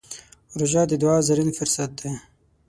روژه د دعا زرين فرصت دی.